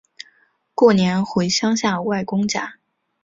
过年回乡下外公家